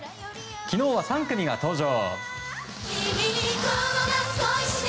昨日は３組が登場。